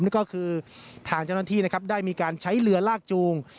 นั่นก็คือทางเจ้าหน้าที่นะครับได้มีการใช้เรือลากจูง